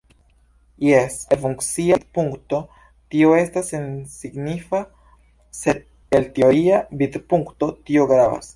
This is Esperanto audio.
Jes, el funkcia vidpunkto tio estas sensignifa, sed el teoria vidpunkto tio gravas.